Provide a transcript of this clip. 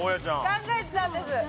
考えてたんです。